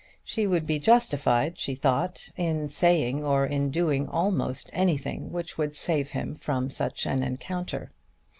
She would be justified, she thought, in saying or in doing almost anything which would save him from such an encounter.